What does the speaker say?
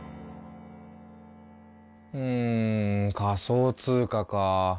うん仮想通貨かあ。